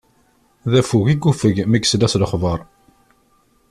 D affug i yuffeg, mi yesla s lexbaṛ.